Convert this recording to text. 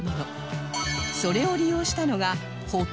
それを利用したのが